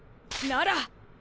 なら！